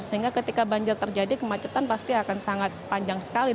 sehingga ketika banjir terjadi kemacetan pasti akan sangat panjang sekali